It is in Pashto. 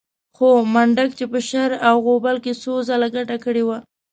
خو منډک چې په شر او غوبل کې څو ځله ګټه کړې وه.